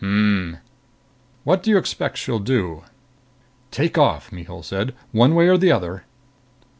"Hm.... What do you expect she'll do?" "Take off," Mihul said. "One way or the other."